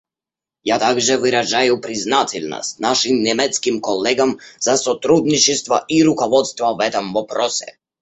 Я также выражаю признательность нашим немецким коллегам за сотрудничество и руководство в этом вопросе.